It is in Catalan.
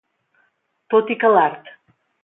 Tot i que l'art.